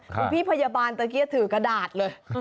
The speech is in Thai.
คุณพี่พยาบาลตะกี้ถือกระดาษเลย